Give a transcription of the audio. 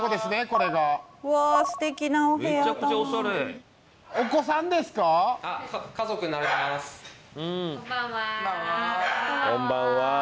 こんばんは。